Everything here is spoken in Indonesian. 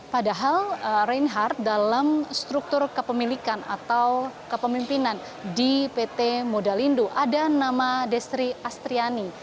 padahal reinhardt dalam struktur kepemilikan atau kepemimpinan di pt modalindo ada nama destri astriani